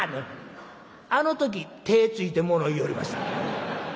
あの時手ぇついてもの言いよりました。